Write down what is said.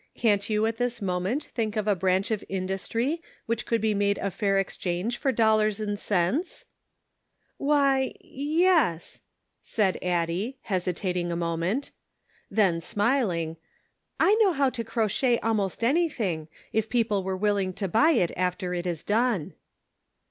Can't you at this moment think of a branch of in dustry which could be made a fair exchange for dollars and cents ?"" Why, yes," said Addie, hesitating a mo ment. Then, smiling, " I know how to crochet almost anything, if people were willing to buy it after it is done."